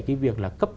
cái việc là cấp